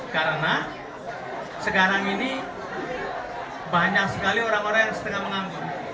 karena sekarang ini banyak sekali orang orang yang sedang menganggur